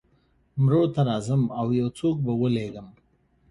مرو ته راځم او یو څوک به ولېږم.